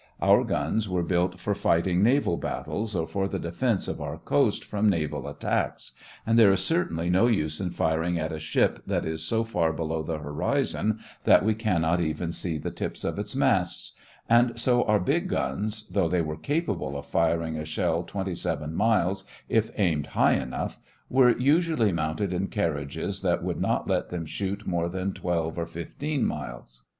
Our big guns were built for fighting naval battles or for the defense of our coasts from naval attacks, and there is certainly no use in firing at a ship that is so far below the horizon that we cannot even see the tips of its masts; and so our big guns, though they were capable of firing a shell twenty seven miles, if aimed high enough, were usually mounted in carriages that would not let them shoot more than twelve or fifteen miles.